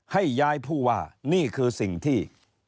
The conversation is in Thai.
ให้ย้ายผู้ว่านี่คือสิ่งที่